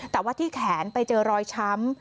แต่ว่าที่แขนไปเจอรอยช้ำ